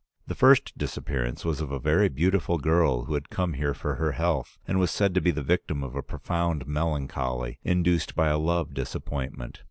The first disappearance was of a very beautiful girl who had come here for her health and was said to be the victim of a profound melancholy, induced by a love disappointment.